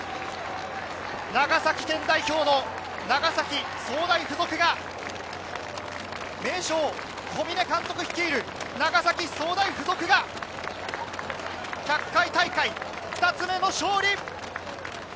長崎県代表の長崎総大附属が、名将・小嶺監督率いる長崎総大附属が１００回大会、２つ目の勝利。